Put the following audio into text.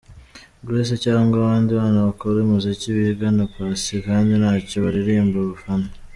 Grace cyangwa abandi bana bakora umuziki bigana Paccy kandi ntacyo baririmba, umufana.